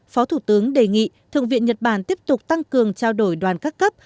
phó thủ tướng đề nghị thượng viện nhật bản tiếp tục tăng cường trao đổi đoàn các cấp